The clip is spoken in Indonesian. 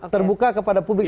terbuka kepada publik